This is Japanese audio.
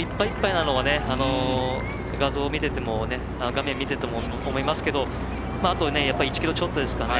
いっぱいいっぱいなのは画面を見ていても思いますけどあと、１ｋｍちょっとですかね